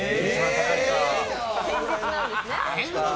堅実なんですね。